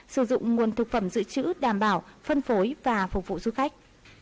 sử dụng nguồn thực phẩm dự trữ đảm bảo phân phối và phục vụ du khách